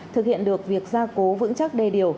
thực hiện được việc gia cố vững chắc đê điều